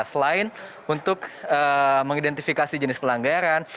selain untuk mengidentifikasi jenis pelanggaran